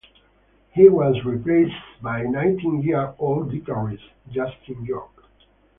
He was replaced by nineteen-year-old guitarist Justin York.